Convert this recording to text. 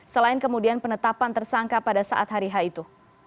selain kemudian penetapan tersangka pada saat hari h itu